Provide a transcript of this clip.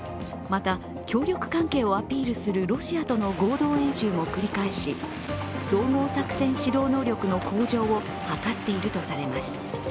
また協力関係をアピールするロシアとの合同演習も繰り返し総合作戦指導能力の向上を図っているとされます。